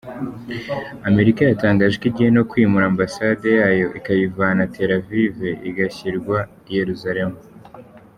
Amerika yatangaje ko igiye no kwimura Ambasade yayo ikayivana Tel Aviv igashyirwa i Yeruzalemu.